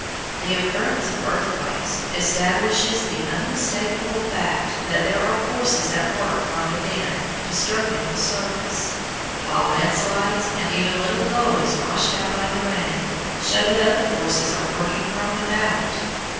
The occurrence of earthquakes establishes the unmistakable fact that there are forces at work from within disturbing the surface, while land slides, and even little gullies washed out by the rain, show that other forces are working from without.